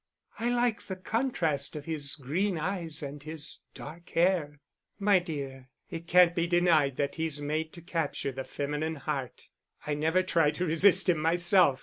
"I like the contrast of his green eyes and his dark hair." "My dear, it can't be denied that he's made to capture the feminine heart. I never try to resist him myself.